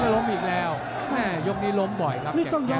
ล้มอีกแล้วยกนี้ล้มบ่อยครับแก่งแก้ว